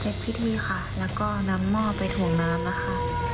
เจ้าพิธีค่ะแล้วก็เอาน้ำมอบไปถูงน้ำนะคะ